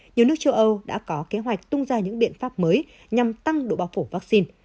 nhiều nước châu âu đã có kế hoạch tung ra những biện pháp mới nhằm tăng độ bao phủ vaccine